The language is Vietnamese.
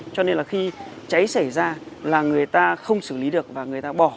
cho nên là khi cháy xảy ra là người ta không xử lý được và người ta bỏ